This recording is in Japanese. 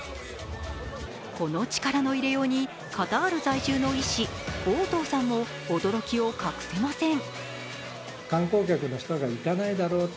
この力の入れようにカタール在住の医師大藤さんも驚きを隠せません。